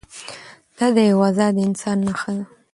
دا د یوه ازاد انسان نښه ده.